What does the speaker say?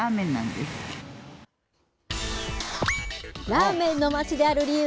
ラーメンの町である理由